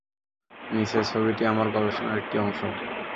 নিচের ছবিটি আমার গবেষণার একটি অংশ।